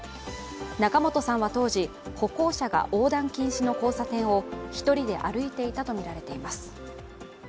仲本さんは当時、歩行者が横断禁止の交差点を１人で歩いていたとみられています